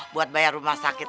buat bayar rumah sakit